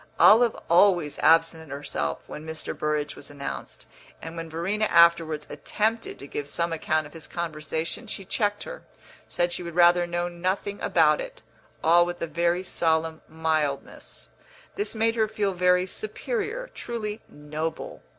Olive always absented herself when Mr. Burrage was announced; and when Verena afterwards attempted to give some account of his conversation she checked her, said she would rather know nothing about it all with a very solemn mildness; this made her feel very superior, truly noble.